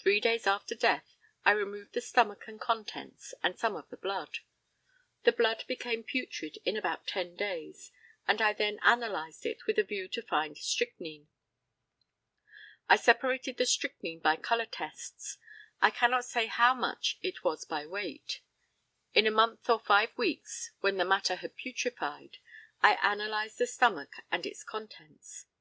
Three days after death I removed the stomach and contents, and some of the blood. The blood became putrid in about 10 days, and I then analysed it with a view to find strychnine. I separated the strychnine by colour tests. I cannot say how much it was by weight. In a month or five weeks, when the matter had putrefied, I analysed the stomach and its contents.